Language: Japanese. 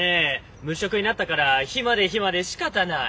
無職になったから暇で暇でしかたない。